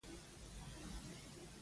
دنیوي چارې د عقل تابع دي.